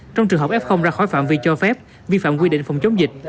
trong trường hợp f ra khỏi phạm vi cho phép vi phạm quy định phòng chống dịch